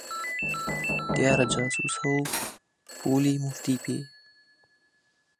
دیارە جاسووسە و پووڵی موفتی پێیە!